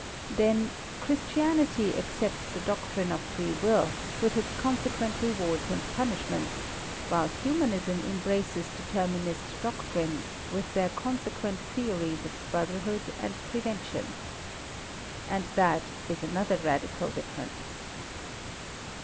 Then, Christianity accepts the doctrine of Free Will, with its consequent rewards and punishments; while Humanism embraces Determinist doctrines, with their consequent theories of brotherhood and prevention. And that is another radical difference.